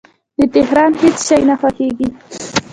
د تهران هیڅ شی نه خوښیږي